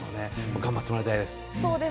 頑張ってもらいたいです。